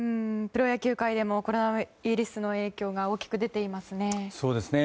プロ野球界でもコロナウイルスの影響が大きく出ていますね。